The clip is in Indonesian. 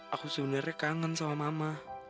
aku sebenarnya kangen sama mama